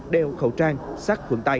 đeo khẩu trang sát khuẩn tay